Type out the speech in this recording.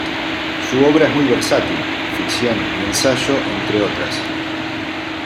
Su obra es muy versátil: ficción y ensayo, entre otras.